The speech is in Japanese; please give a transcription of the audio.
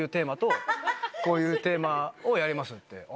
こういうテーマをやりますって。